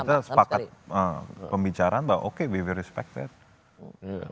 kita sepakat pembicaraan bahwa oke we will respect that